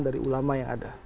dari ulama yang ada